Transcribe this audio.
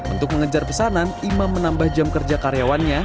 untuk mengejar pesanan imam menambah jam kerja karyawannya